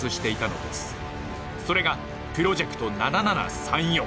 それがプロジェクト７７３４。